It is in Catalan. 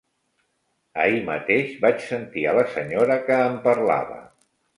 Ahir mateix vaig sentir a la senyora que en parlava.